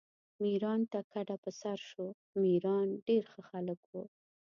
میرانو ته کډه په سر شو، میران ډېر ښه خلک وو.